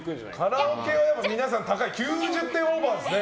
カラオケはみんな９０点オーバーですね。